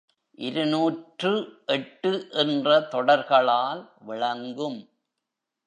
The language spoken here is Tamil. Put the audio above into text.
இருநூற்று எட்டு என்ற தொடர்களால் விளங்கும்.